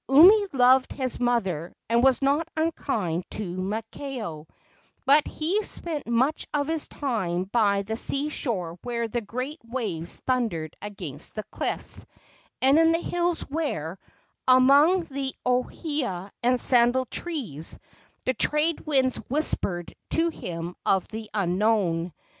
Umi loved his mother and was not unkind to Maakao; but he spent much of his time by the sea shore where the great waves thundered against the cliffs, and in the hills where, among the ohia and sandal trees, the trade winds whispered to him of the unknown.